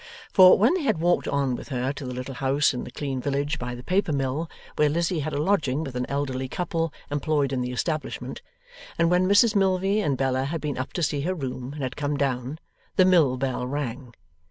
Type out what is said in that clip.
For, when they had walked on with her to the little house in the clean village by the paper mill, where Lizzie had a lodging with an elderly couple employed in the establishment, and when Mrs Milvey and Bella had been up to see her room and had come down, the mill bell rang.